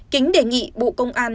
kính đề nghị bộ công an